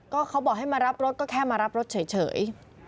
ก็เขาบอกให้มารับรถก็แค่มารับรถเฉย